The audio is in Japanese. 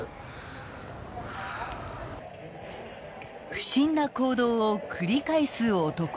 ［不審な行動を繰り返す男］